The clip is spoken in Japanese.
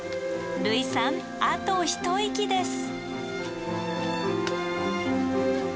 類さんあと一息です。